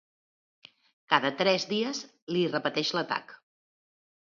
Cada tres dies li repeteix l'atac.